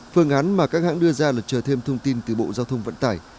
phương án mà các hãng đưa ra là chờ thêm thông tin từ bộ giao thông vận tải